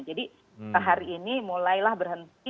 jadi hari ini mulailah berhenti menggulung